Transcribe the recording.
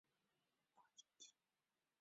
日本战国时代中期的阵旗多为方形旗。